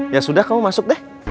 ya sudah kamu masuk deh